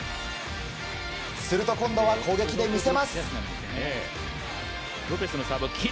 すると、今度は攻撃で見せます。